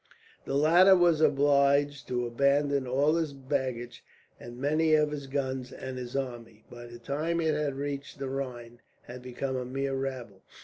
The latter was obliged to abandon all his baggage, and many of his guns; and his army, by the time it had reached the Rhine, had become a mere rabble.